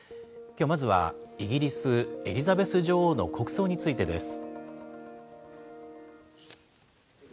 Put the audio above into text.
きょうまずはイギリス、エリザベス女王の国葬についてです。